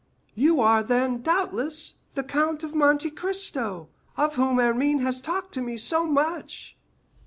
"You are, then, doubtless, the Count of Monte Cristo, of whom Hermine has talked to me so much?"